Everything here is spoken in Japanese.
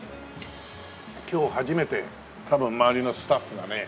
今日初めて多分周りのスタッフがね